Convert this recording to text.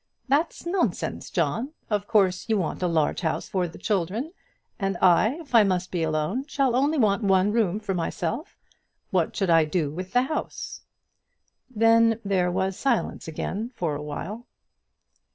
"That's nonsense, John. Of course you want a large house for the children, and I, if I must be alone, shall only want one room for myself. What should I do with the house?" Then there was silence again for a while.